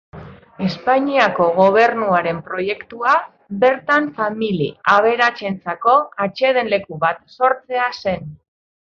Espainiako Gobernuaren proiektua bertan famili aberatsentzako atseden-leku bat sortzea zen.